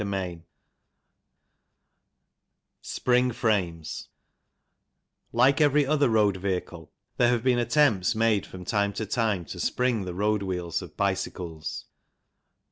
4. CHAPTER IX SPRING FRAMES LIKE every other road vehicle, there have been attempts made from time to time to spring the road wheels of bicycles.